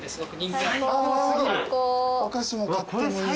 お菓子も買ってもいいし。